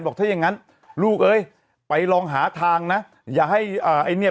ถ้าอย่างงั้นลูกเอ้ยไปลองหาทางนะอย่าให้อ่าไอ้เนี่ย